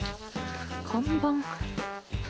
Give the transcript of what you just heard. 看板。